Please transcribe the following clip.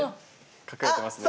隠れてますね。